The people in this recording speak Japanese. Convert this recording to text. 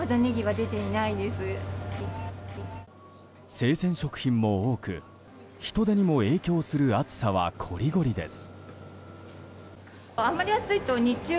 生鮮食品も多く人出にも影響する暑さはこりごりです。